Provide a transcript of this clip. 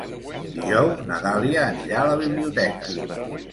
Dijous na Dàlia anirà a la biblioteca.